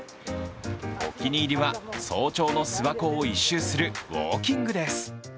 お気に入りは、早朝の諏訪湖を１周するウオーキングです。